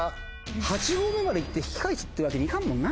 ８合目まで行って引き返すってわけにいかんもんな。